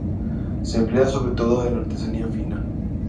Se emplea sobre todo en artesanía fina.